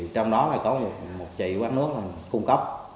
trong đó có một chị quán nước cung cấp